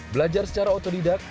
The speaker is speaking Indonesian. belajar secara otodidak